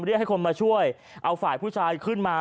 เรียกให้คนมาช่วยเอาฝ่ายผู้ชายขึ้นมา